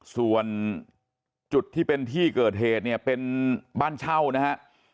ส่วนจุดที่เป็นที่เกิดเหตุเนี่ยเป็นบ้านเช่านะฮะ